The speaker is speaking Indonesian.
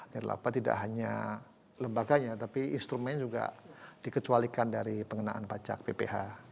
nirlaba tidak hanya lembaganya tapi instrumen juga dikecualikan dari pengenaan pajak bpkh